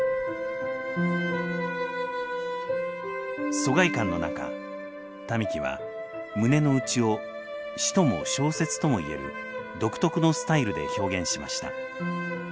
疎外感の中民喜は胸の内を詩とも小説とも言える独特のスタイルで表現しました。